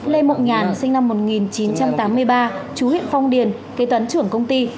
lê mộng nhàn sinh năm một nghìn chín trăm tám mươi ba chú huyện phong điền kế toán trưởng công ty